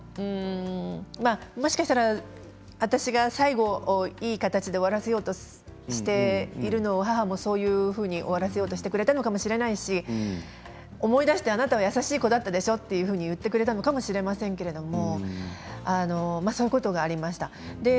私は優しい子じゃなかったのでだけどもしかしたら私が最後いい形で終わらせようとしているのを母が、そういうふうに終わらせようとしてくれたのかもしれないし思い出してあなたは優しい子だったでしょ？と言ってくれたのかもしれませんけどそういうことがありました。